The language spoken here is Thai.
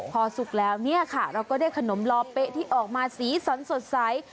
พอสุกแล้วเราก็ได้ขนมลอเปะที่ออกมาสีสอนสดใส